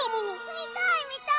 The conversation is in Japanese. みたいみたい！